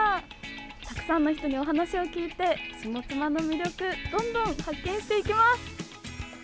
たくさんの人にお話を聞いて下妻の魅力どんどん発見していきます！